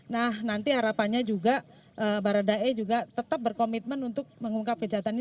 nah nanti harapannya juga baradae juga tetap berkomitmen untuk mengungkap kejahatan ini